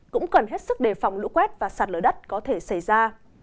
cũng cần hết sức đề phòng lũ quét và sạt lở đất có thể xảy ra